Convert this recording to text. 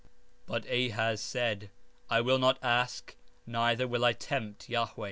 17:12 But Ahaz said: I will not ask, neither will I tempt the Lord.